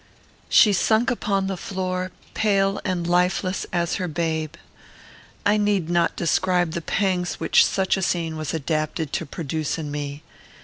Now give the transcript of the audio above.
She sunk upon the floor, pale and lifeless as her babe. I need not describe the pangs which such a scene was adapted to produce in me.